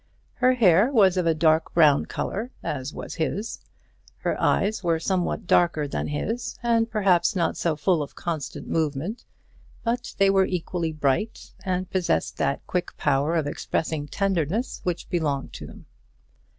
Her hair was of a dark brown colour, as was his. Her eyes were somewhat darker than his, and perhaps not so full of constant movement; but they were equally bright, and possessed that quick power of expressing tenderness which belonged to them.